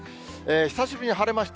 久しぶりに晴れました。